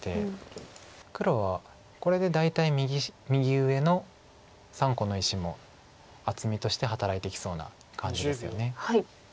黒はこれで大体右上の３個の石も厚みとして働いてきそうな感じですよね。